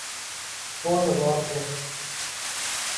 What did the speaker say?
وہ نواب ہے